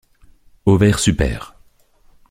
Ovaire supère.